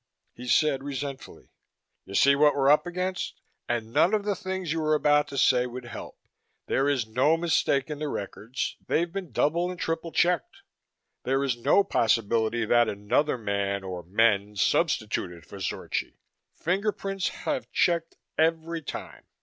He said resentfully, "You see what we're up against? And none of the things you are about to say would help. There is no mistake in the records they've been double and triple checked. There is no possibility that another man, or men, substituted for Zorchi fingerprints have checked every time.